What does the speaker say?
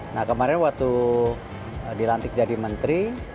nah kemarin waktu dilantik jadi menteri